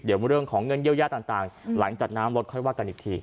เดี๋ยวเรื่องของเงินเยียวยาต่างหลังจากน้ำลดค่อยว่ากันอีกที